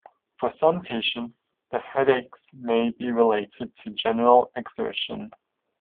For some patients, the headaches may be related to general exertion.